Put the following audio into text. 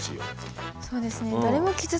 そうですね。